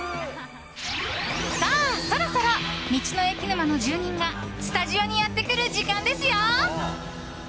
さあ、そろそろ道の駅沼の住人がスタジオにやってくる時間ですよ。